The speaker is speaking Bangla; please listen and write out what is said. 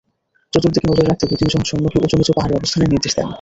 চতুর্দিকে নজর রাখতে দুই-তিনজন সৈন্যকে উঁচু উঁচু পাহাড়ে অবস্থানের নির্দেশ দেন।